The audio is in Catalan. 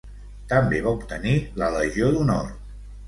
També va obtenir la Legió d'Honor.